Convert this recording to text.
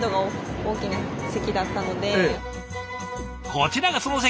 こちらがその席。